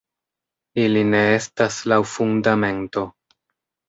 Ili ne estas laŭ Fundamento.